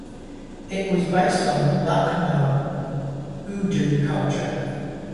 It was based on Lucknow Urdu culture.